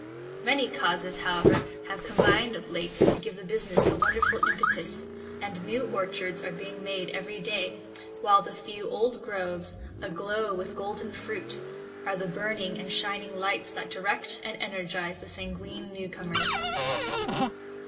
Many causes, however, have combined of late to give the business a wonderful impetus, and new orchards are being made every day, while the few old groves, aglow with golden fruit, are the burning and shining lights that direct and energize the sanguine newcomers.